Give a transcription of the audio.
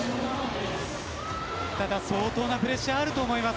ただ相当なプレッシャーがあると思います